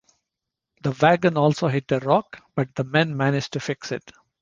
The wagon also hit a rock, but the men manage to fix it.